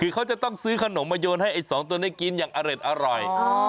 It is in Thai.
คือเขาจะต้องซื้อขนมมาโยนให้ไอ้สองตัวนี้กินอย่างอร่อย